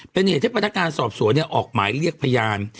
เป็นเหตุที่ประธานการณ์สอบสวนออกหมายเรียกพยาน